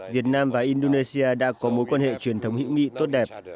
việt nam và indonesia đã có mối quan hệ truyền thống hữu nghị tốt đẹp